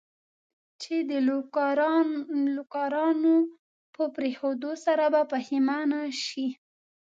چې د لوکارنو په پرېښودو سره به پښېمانه شې.